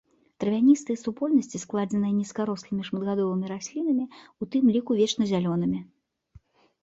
Травяністыя супольнасці складзеныя нізкарослымі шматгадовымі раслінамі, у тым ліку вечназялёнымі.